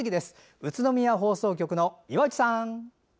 宇都宮放送局の岩内さん！